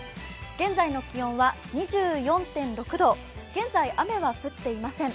現在の気温は２４．６度、現在、雨は降っていません。